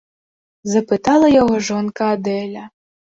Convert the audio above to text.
- запытала яго жонка Адэля.